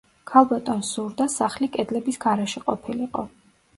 ქალბატონს სურდა სახლი კედლების გარეშე ყოფილიყო.